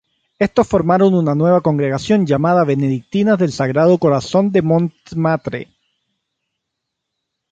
Estos formaron una nueva congregación llamada Benedictinas del Sagrado Corazón de Montmartre.